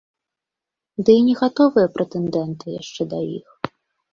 Ды і не гатовыя прэтэндэнты яшчэ да іх.